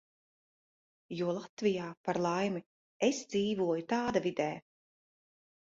Jo Latvijā, par laimi, es dzīvoju tāda vidē.